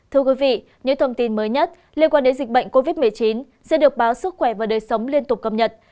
thưa quý vị những thông tin mới nhất liên quan đến dịch bệnh covid một mươi chín sẽ được báo sức khỏe và đời sống liên tục cập nhật